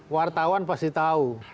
wartawan pasti tahu